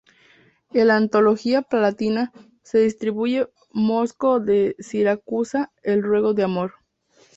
En la "Antología Palatina", se atribuye a Mosco de Siracusa el "Ruego de Amor".